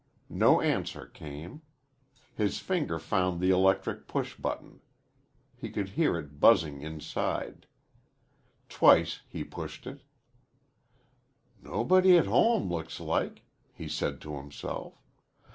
No answer came. His finger found the electric push button. He could hear it buzzing inside. Twice he pushed it. "Nobody at home, looks like," he said to himself.